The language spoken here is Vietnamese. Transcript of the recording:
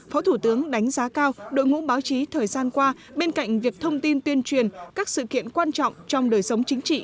phó thủ tướng đánh giá cao đội ngũ báo chí thời gian qua bên cạnh việc thông tin tuyên truyền các sự kiện quan trọng trong đời sống chính trị